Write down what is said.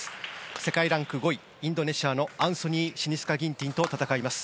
世界ランク５位、インドネシアのアンソニー・シニスカ・ギンティンと戦います。